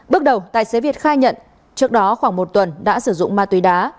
bước đầu tài xế việt khai nhận trước đó khoảng một tuần đã sử dụng ma túy đá